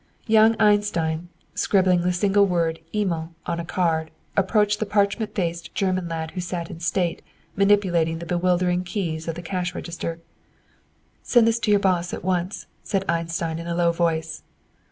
Young Einstein, scribbling the single word "Emil" on a card, approached the parchment faced German lad who sat in state, manipulating the bewildering keys of the "Cash Register." "Send this to the boss at once," said Einstein in a low voice.